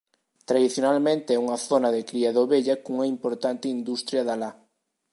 Tradicionalmente é unha zona de cría de ovella cunha importante industria da la.